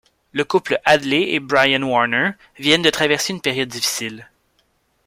Le couple Hadley et Brian Warner viennent de traverser une période difficile.